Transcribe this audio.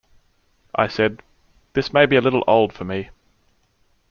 "I said, 'This may be a little old for me.